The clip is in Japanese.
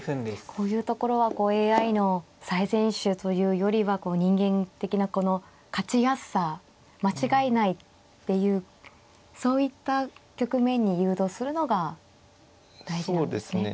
こういうところはＡＩの最善手というよりは人間的なこの勝ちやすさ間違えないっていうそういった局面に誘導するのが大事なんですね。